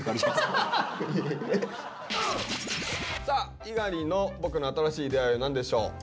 さあ猪狩の「僕の新しい出会い」は何でしょう。